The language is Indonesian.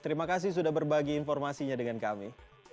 terima kasih sudah berbagi informasinya dengan kami